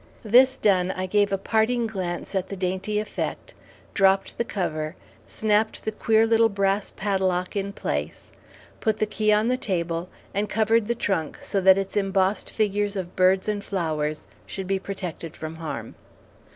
This done, I gave a parting glance at the dainty effect, dropped the cover, snapped the queer little brass padlock in place, put the key on the table, and covered the trunk so that its embossed figures of birds and flowers should be protected from harm.